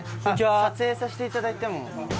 撮影させていただいても。